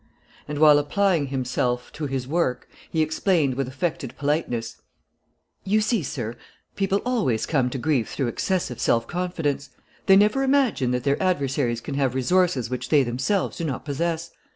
And, while applying himself to his work, he explained, with affected politeness: "You see, sir, people always come to grief through excessive self confidence. They never imagine that their adversaries can have resources which they themselves do not possess.